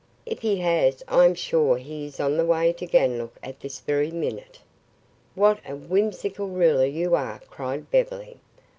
If he has, I am sure he is on the way to Ganlook at this very minute." "What a whimsical ruler you are," cried Beverly.